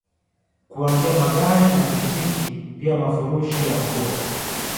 Kuanzia Magari na pikipiki pia mafurushi ya nguo